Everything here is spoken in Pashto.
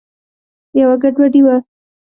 یوه ګډوډي وه.